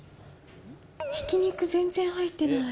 ひき肉全然入ってない。